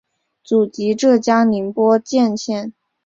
祖籍浙江宁波鄞县。